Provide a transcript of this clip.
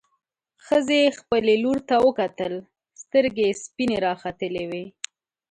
ښځې خپلې لور ته وکتل، سترګې يې سپينې راختلې وې.